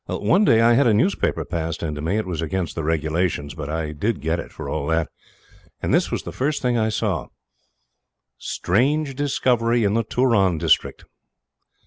One day I had a newspaper passed in to me. It was against the regulations, but I did get it for all that, and this was the first thing I saw: STRANGE DISCOVERY IN THE TURON DISTRICT.